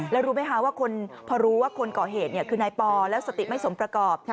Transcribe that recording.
แล้วรู้ไหมคะว่าพอรู้ว่าคนก่อเหตุคือนายปอแล้วสติไม่สมประกอบ